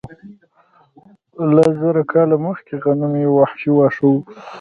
لس زره کاله مخکې غنم یو وحشي واښه و.